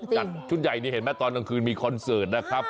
จัดชุดใหญ่นี่เห็นไหมตอนกลางคืนมีคอนเสิร์ตนะครับ